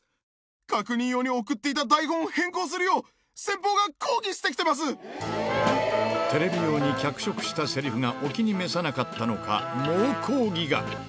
確認用に送っていた台本を変更するよう、テレビ用に脚色したせりふがお気に召さなかったのか、猛抗議が。